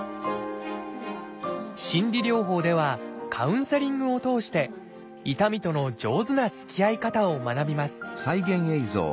心理療法ではカウンセリングを通して痛みとの上手なつきあい方を学びます